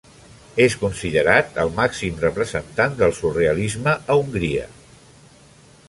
És considerat el màxim representant del surrealisme a Hongria.